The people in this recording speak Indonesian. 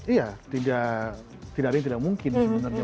iya tidak ada yang tidak mungkin sebenarnya